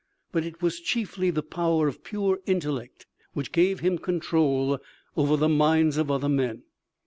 But it was chiefly the power of pure intellect which gave him control over the minds of other men.